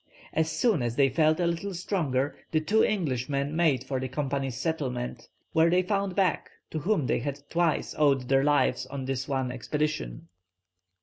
As soon as they felt a little stronger, the two Englishmen made for the Company's settlement, where they found Back, to whom they had twice owed their lives on this one expedition.